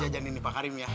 jajanin nih pak karim ya